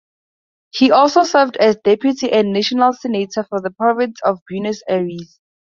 He also served as deputy and national senator for the Province of Buenos Aires.